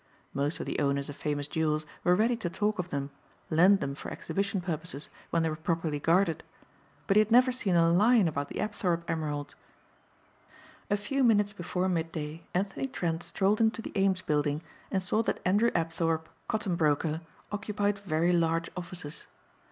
Most of the owners of famous jewels were ready to talk of them, lend them for exhibition purposes when they were properly guarded, but he had never seen a line about the Apthorpe emerald. A few minutes before midday Anthony Trent strolled into the Ames building and saw that Andrew Apthorpe, cotton broker, occupied very large offices.